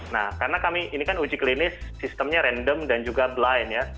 nah karena kami ini kan uji klinis sistemnya random dan juga blind ya